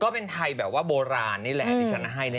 เป็นไทยแบบว่าโบราณนี่แหละที่ฉันให้